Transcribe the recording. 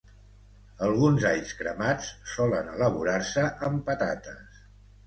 Alguns alls cremats solen elaborar-se amb patates